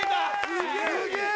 すげえ！